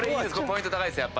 ポイント高いです。